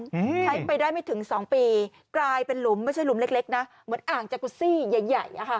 ใช้ไปได้ไม่ถึงสองปีกลายเป็นหลุมไม่ใช่หลุมเล็กเล็กนะเหมือนอ่างจักรูซี่ใหญ่ใหญ่อ่ะค่ะ